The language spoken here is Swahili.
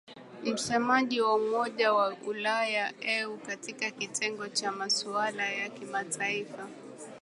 msemaji wa umoja wa ulaya eu katika kitengo cha masuala ya kimataifa